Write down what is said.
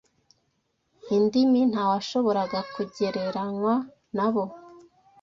indimi ntawashoboraga kugereranywa nabo